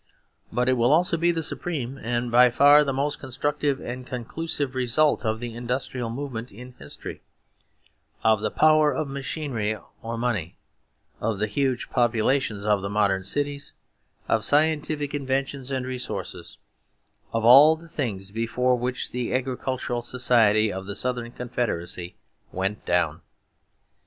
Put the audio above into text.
But it will also be the supreme and by far the most constructive and conclusive result of the industrial movement in history; of the power of machinery or money; of the huge populations of the modern cities; of scientific inventions and resources; of all the things before which the agricultural society of the Southern Confederacy went down.